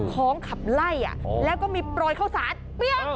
ค้องขับไล่อ่ะแล้วก็มีปล่อยข้าวสัตว์